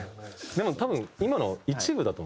でも多分今の一部だと思いますね。